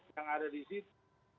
yang ada di situ